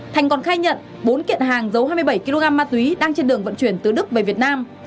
thành còn khai nhận bốn kiện hàng giấu hai mươi bảy kg ma túy đang trên đường vận chuyển từ đức về việt nam